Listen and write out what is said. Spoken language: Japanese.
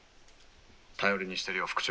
「頼りにしてるよ副長」。